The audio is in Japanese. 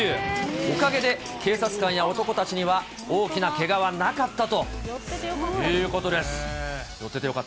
おかげで警察官や男たちには、大きなけがはなかったということです。